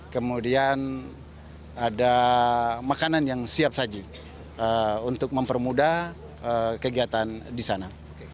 kemudian ada makanan yang siap saji untuk mempermudah kegiatan di sana